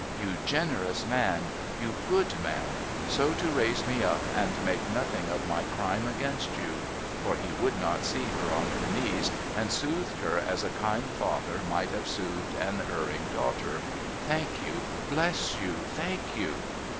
You generous man ! You good man ! So to raise me up and make nothing of my crime against you !'— for he would not see her on her knees, and soothed her as a kind father might have soothed an erring daughter—' thank you, bless you, thank you